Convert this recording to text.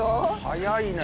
早いね。